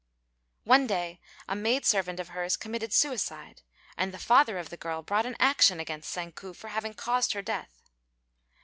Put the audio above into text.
One day a maid servant of hers committed suicide, and the father of the girl brought an action against Tsang ku for having caused her death.